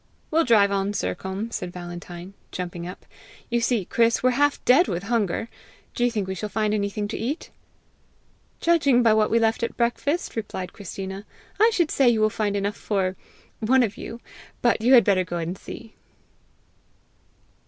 "We'll drive on, Sercombe," said Valentine, jumping up. "You see, Chris, we're half dead with hunger! Do you think we shall find anything to eat?" "Judging by what we left at breakfast," replied Christina, "I should say you will find enough for one of you; but you had better go and see."